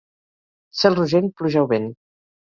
Cel rogent: pluja o vent.